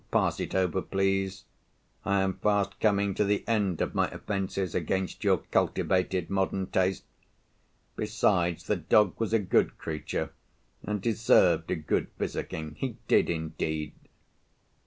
Pass it over please. I am fast coming to the end of my offences against your cultivated modern taste. Besides, the dog was a good creature, and deserved a good physicking; he did indeed.